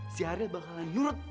si ariel bakalan nyurut